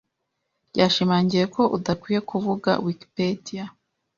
ryashimangiye ko udakwiye kuvuga Wikipedia.